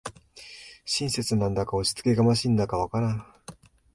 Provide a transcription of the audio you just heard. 親切なんだか押しつけがましいんだかわからん